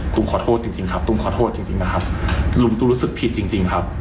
ตูมขอโทษจริงครับตูมรู้สึกผิดจริงครับ